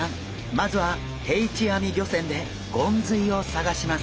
まずは定置網漁船でゴンズイを探します。